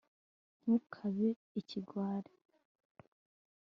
ntukabe ikigwari